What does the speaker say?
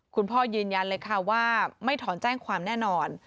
ยืนยันเลยค่ะว่าไม่ถอนแจ้งความแน่นอน